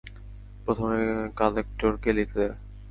প্রথমে কালেক্টরকে লিখলে।